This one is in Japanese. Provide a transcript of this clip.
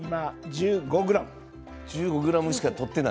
１５ｇしかとっていない。